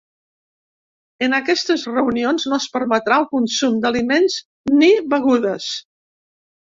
En aquestes reunions no es permetrà el consum d’aliments ni begudes.